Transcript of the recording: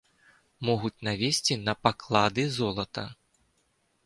Могуць навесці на паклады золата.